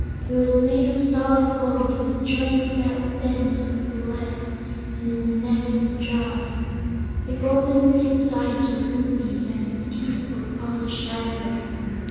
It was made of solid gold, with joints at the bends of the legs and in the neck and jaws. The Golden Pig's eyes were rubies, and its teeth were polished ivory.